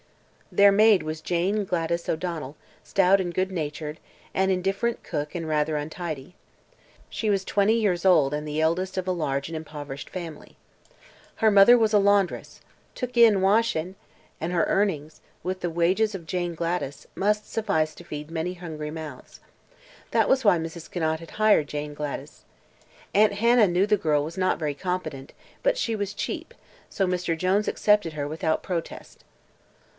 Their maid was Jane Gladys O'Donnel, stout and good natured, an indifferent cook and rather untidy. She was twenty years old and the eldest of a large and impoverished family. Her mother was a laundress "took in washin'" and her earnings, with the wages of Jane Gladys, must suffice to feed many hungry mouths. That was why Mrs. Conant had hired Jane Gladys. Aunt Hannah knew the girl was not very competent, but she was cheap, so Mr. Jones accepted her without protest.